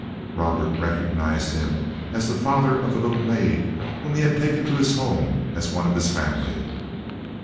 Robert recognized him as the father of the little maid whom he had taken to his home as one of his family.